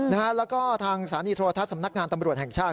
แล้วก็ทางสถานีโทรทัศน์สำนักงานตำรวจแห่งชาติ